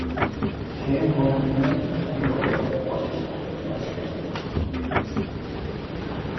K. Hovnanian the home builder and the mortgage company are no strangers to controversy.